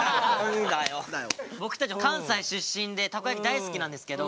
僕たち関西出身でたこ焼き大好きなんですけど。